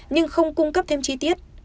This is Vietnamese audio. nhưng không cung cấp thêm chi tiết